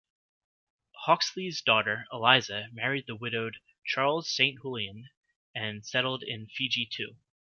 Hawksley's daughter, Eliza, married the widowed Charles Saint Julian and settled in Fiji too.